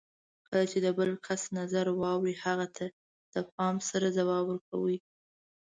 کله چې د بل کس نظر واورئ، هغه ته د پام سره ځواب ورکړئ.